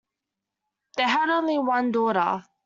They had only one daughter.